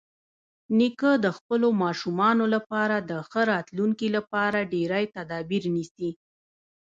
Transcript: نیکه د خپلو ماشومانو لپاره د ښه راتلونکي لپاره ډېری تدابیر نیسي.